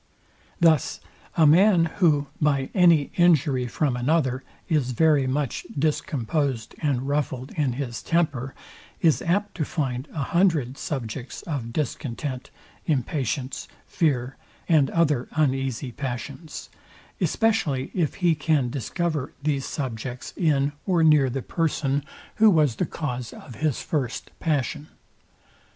Thus a man, who, by any injury from another, is very much discomposed and ruffled in his temper, is apt to find a hundred subjects of discontent, impatience, fear, and other uneasy passions; especially if he can discover these subjects in or near the person, who was the cause of his first passion.